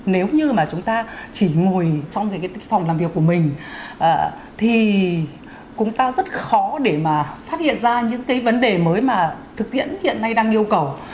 nếu như mà chúng ta chỉ ngồi trong cái phòng làm việc của mình thì chúng ta rất khó để mà phát hiện ra những cái vấn đề mới mà thực tiễn hiện nay đang yêu cầu